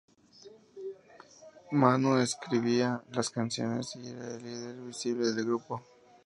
Manu escribía las canciones y era el líder visible del grupo.